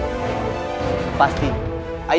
aku masih belum percaya